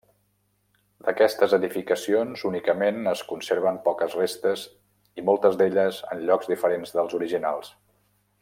D'aquestes edificacions únicament es conserven poques restes i moltes d'elles en llocs diferents dels originals.